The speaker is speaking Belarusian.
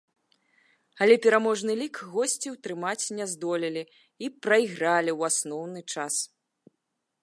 Але пераможны лік госці ўтрымаць не здолелі і прайгралі ў асноўны час.